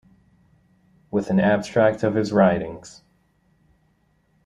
With an abstract of his writings.